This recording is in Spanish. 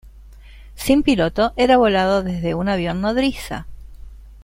Sin piloto, era volado desde un avión "nodriza".